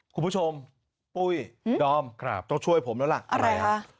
คุณผู้ชมปุ้ยดอมครับต้องช่วยผมแล้วล่ะอะไรล่ะ